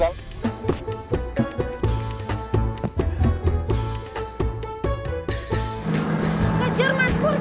kejar mas pur kejar